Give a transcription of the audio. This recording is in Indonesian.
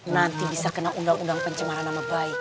nanti bisa kena undang undang pencemaran nama baik